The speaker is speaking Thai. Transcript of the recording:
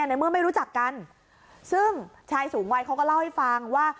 ในเมื่อไม่รู้จักกันซึ่งชายสูงวัยเขาก็เล่าให้ฟังว่า